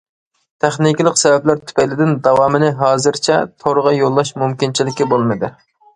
تېخنىكىلىق سەۋەبلەر تۈپەيلىدىن داۋامىنى ھازىرچە تورغا يوللاش مۇمكىنچىلىكى بولمىدى.